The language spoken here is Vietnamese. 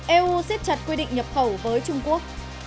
eu siết chặt quy định nhập khẩu với trung quốc